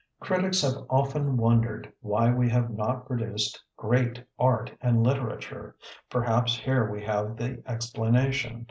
Critics have often wondered why we have not produced "great" art and lit erature. Perhaps here we have the explanation.